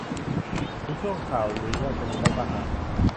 หรือช่วงข่าวลือว่าจะมีรัฐประหาร ?